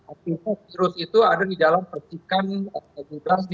akhirnya virus itu ada di dalam percikan